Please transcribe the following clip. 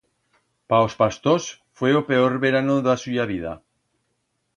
Pa os pastors fue o peor verano d'a suya vida.